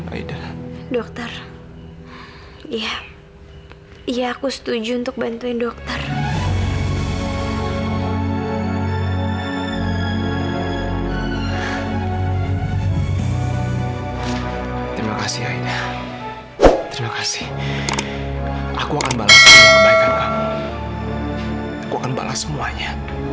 aku akan balas semuanya